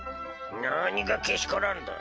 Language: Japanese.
何が「けしからん」だ。